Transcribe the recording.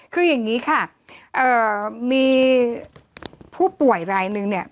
คืออย่างนี้ค่ะมีผู้ป่วยรายนึงเนี่ย